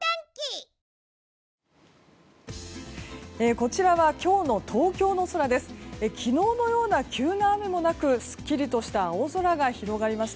こちらは今日の東京の空です。